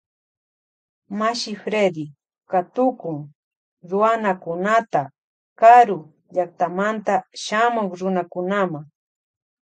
Mashi Fredy katukun Ruanakunata karu llaktamanta shamuk Runakunama.